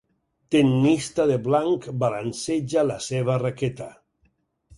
Tennista de blanc balanceja la seva raqueta.